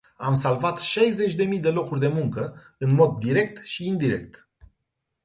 Am salvat șaizeci de mii de locuri de muncă, în mod direct și indirect.